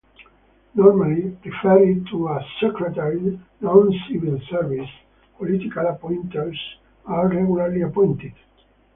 Normally referred to as Secretary, non civil service, political appointees are regularly appointed.